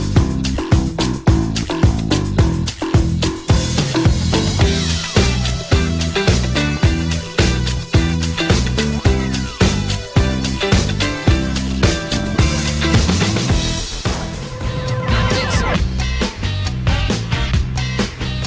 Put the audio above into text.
ใช่ครับผม